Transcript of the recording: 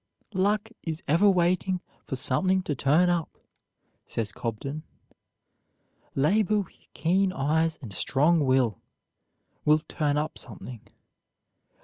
"Luck is ever waiting for something to turn up," says Cobden; "labor, with keen eyes and strong will, will turn up something.